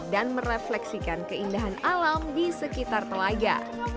dan merefleksikan keindahan alam di sekitar telaga